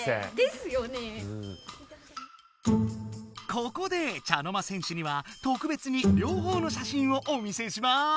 ここで茶の間戦士にはとくべつに両方のしゃしんをお見せします！